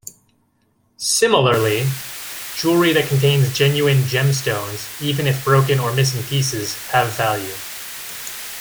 Similarly, jewelry that contains genuine gemstones, even if broken or missing pieces, have value.